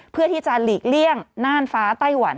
เพื่อที่จะหลีกเลี่ยงน่านฟ้าไต้หวัน